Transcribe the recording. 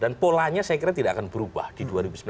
dan polanya saya kira tidak akan berubah di dua ribu sembilan belas